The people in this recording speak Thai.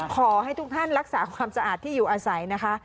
ขอให้ทุกท่านรักษาความสะอาดที่อยู่อาศัยนะคะ